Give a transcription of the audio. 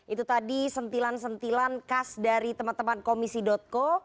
itu tadi sentilan sentilan khas dari teman teman komisi co